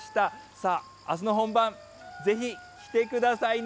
さあ、あすの本番、ぜひ来てくださいね。